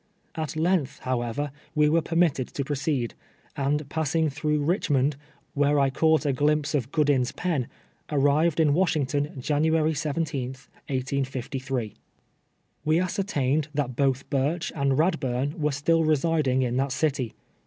At length, however, we were permitted to proceed, and, passing through liichiiioud, wlu ro I caught a glimpse of Goodin's pen, arrived in AVashiugtoii January 17th, 1853. We ascertained that both Ijurch and riadl)urn were still residing in that city.